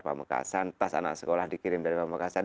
pemekasan tas anak sekolah dikirim dari pemekasan